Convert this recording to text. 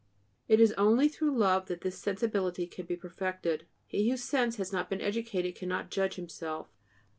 It is only through love that this sensibility can be perfected. He whose sense has not been educated cannot judge himself.